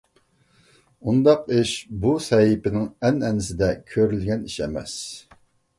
ئۇنداق ئىش بۇ سەھىپىنىڭ ئەنئەنىسىدە كۆرۈلگەن ئىش ئەمەس.